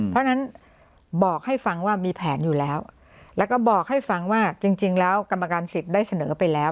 เพราะฉะนั้นบอกให้ฟังว่ามีแผนอยู่แล้วแล้วก็บอกให้ฟังว่าจริงแล้วกรรมการสิทธิ์ได้เสนอไปแล้ว